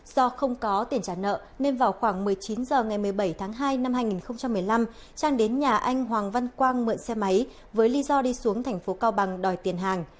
do không có tiền trả nợ nên vào khoảng một mươi chín h ngày một mươi bảy tháng hai năm hai nghìn một mươi năm trang đến nhà anh hoàng văn quang mượn xe máy với lý do đi xuống thành phố cao bằng đòi tiền hàng